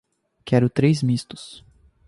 Quero três mistos